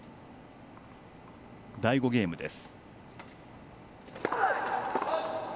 第５ゲームです。